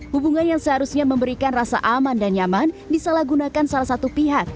hubungan yang seharusnya memberikan rasa aman dan nyaman disalahgunakan salah satu pihak